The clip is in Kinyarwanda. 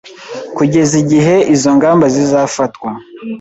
kugeza igihe izo ngamba zizafatwa